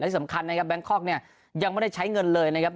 ที่สำคัญนะครับแบงคอกเนี่ยยังไม่ได้ใช้เงินเลยนะครับ